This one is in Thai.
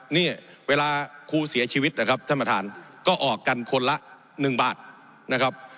เนี่ยเวลาครูเสียชีวิตนะครับท่านประธานก็ออกกันคนละ๑บาทนะครับ